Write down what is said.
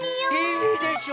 いいでしょ？